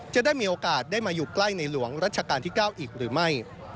จะได้มีโอกาสได้มาอยู่ใกล้ในหลวงรัชกาลที่๙อีกหรือไม่